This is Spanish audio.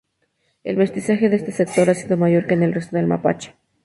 El mestizaje de este sector ha sido mayor que en el resto del mapuche.